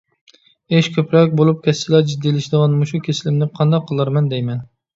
ئىش كۆپرەك بولۇپ كەتسىلا جىددىيلىشىدىغان مۇشۇ كېسىلىمنى قانداق قىلارمەن دەيمەن؟